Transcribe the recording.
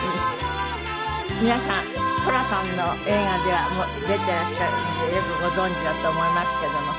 皆さん寅さんの映画では出ていらっしゃるんでよくご存じだと思いますけども。